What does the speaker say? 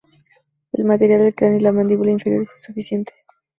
El material del cráneo y la mandíbula inferior es insuficiente.